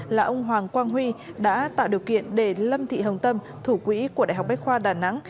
là ông hoàng quang huy đã tạo điều kiện để lâm thị hồng tâm thủ quỹ của đại học bách khoa đà nẵng